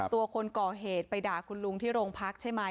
คนก่อเหตุไปด่าคุณลุงที่โรงพักใช่ไหม